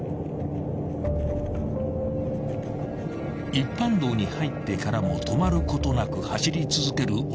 ［一般道に入ってからも止まることなく走り続ける男］